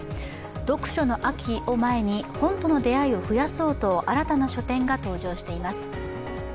読書の秋を前に、本との出会いを増やそうと新たな書店が登場しています。